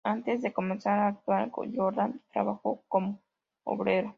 Antes de comenzar a actuar, Jordan trabajó como obrero.